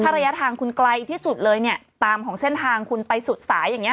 ระยะทางคุณไกลที่สุดเลยเนี่ยตามของเส้นทางคุณไปสุดสายอย่างเงี้